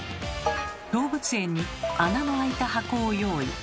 動物園に穴のあいた箱を用意。